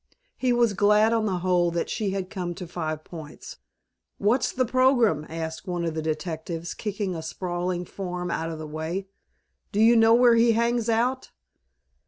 He was glad on the whole that she had come to Five Points. "What's the program?" asked one of the detectives, kicking a sprawling form out of the way. "Do you know where he hangs out?"